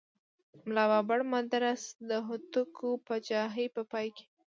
ملا بابړ مدرس د هوتکو پاچاهۍ په پای کې.